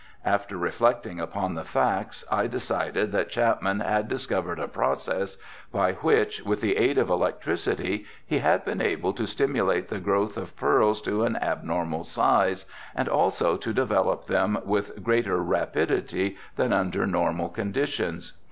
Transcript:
After reflecting upon the facts I decided that Chapman had discovered a process by which, with the aid of electricity, he had been able to stimulate the growth of pearls to an abnormal size and also to develop them with greater rapidity than under normal conditions.